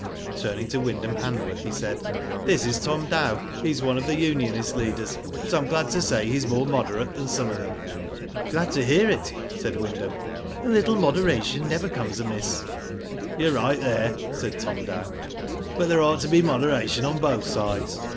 Turning to Wyndham Hanworth, he said: "This is Tom Dow. He is one of the unionist leaders, but Pm glad to say he is more moderate than some of them." "Glad to hear it," said Wyndham. "A little moderation never comes amiss." "You're right there," said Tom Dow, "but there ought to be moderation on both sides.